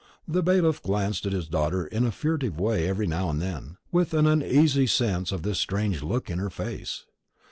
The bailiff glanced at his daughter in a furtive way every now and then, with an uneasy sense of this strange look in her face.